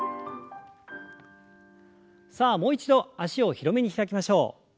さあもう一度脚を広めに開きましょう。